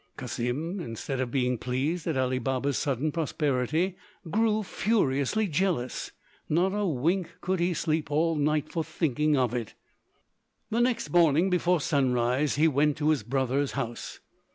Cassim, instead of being pleased at Ali Baba's sudden prosperity, grew furiously jealous; not a wink could he sleep all night for thinking of it. The next morning before sunrise he went to his brother's house.